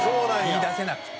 言いだせなくて。